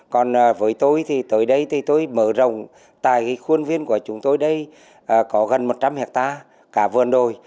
còn với tôi thì tới đây thì tôi mở rộng tại khuôn viên của chúng tôi đây có gần một trăm linh hectare cả vườn đồi